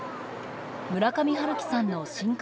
村上春樹さんの新刊